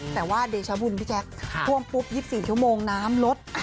แต่ว่าเดชบุญพี่แจ๊คท่วมปุ๊บ๒๔ชั่วโมงน้ำลด